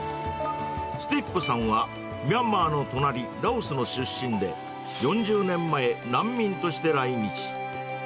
スティップさんは、ミャンマーの隣、ラオスの出身で、４０年前、難民として来日。